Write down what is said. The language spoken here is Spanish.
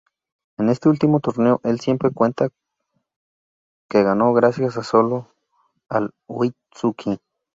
En este último torneo el siempre cuenta que ganó gracias solo al 'Oi tsuki'.